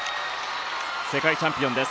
世界チャンピオンです。